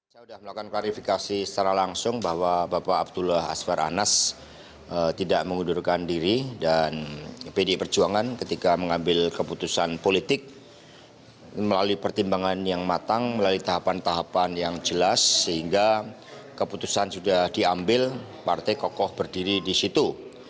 saya sudah melakukan klarifikasi secara langsung bahwa bapak abdullah azwar anas tidak mengundurkan diri dan pdip perjuangan ketika mengambil keputusan politik melalui pertimbangan yang matang melalui tahapan tahapan yang jelas sehingga keputusan sudah diambil partai kokoh berdiri di situ